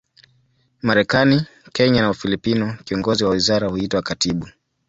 Marekani, Kenya na Ufilipino, kiongozi wa wizara huitwa katibu.